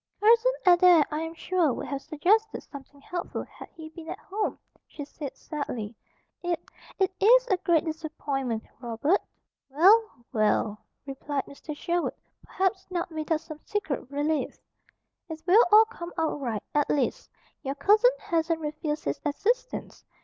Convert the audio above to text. "Cousin Adair, I am sure, would have suggested something helpful had he been at home," she said sadly. "It, it is a great disappointment, Robert." "Well, well!" replied Mr. Sherwood, perhaps not without some secret relief. "It will all come out right. At least, your cousin hasn't refused his assistance.